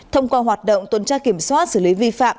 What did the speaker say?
thông qua hoạt động tuần tra kiểm soát xử lý vi phạm